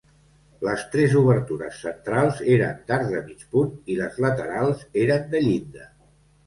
Les tres obertures centrals eren d'arc de mig punt i les laterals eren de llinda.